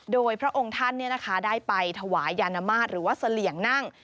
โดยพระองค์ท่านได้ไปถวายยานมาตรหรือว่าเสลี่ยงนั่ง